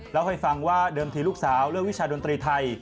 เล่าให้ฟังว่าเดิมทีลูกสาวเลือกวิชาดนตรีไทย